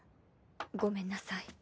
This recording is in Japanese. ごめんなさい。